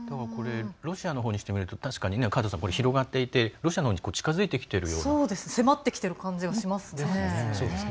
ロシアにしてみると確かに広がっていて、ロシアのほうに迫っている感じがしますね。